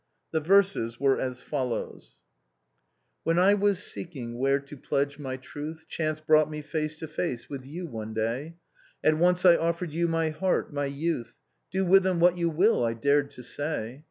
The verses were as follows :" When I was seeking where to pledge my truth Chance brought me face to face with you one day; At once I offered you my heart, my youth, ' Do with them what you will,' I dared to say.